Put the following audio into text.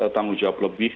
tanggung jawab lebih